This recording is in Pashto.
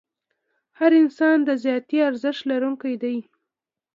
هر انسان د ذاتي ارزښت لرونکی دی.